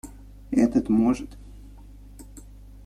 Этот может.